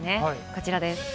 こちらです。